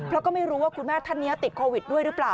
เพราะก็ไม่รู้ว่าคุณแม่ท่านนี้ติดโควิดด้วยหรือเปล่า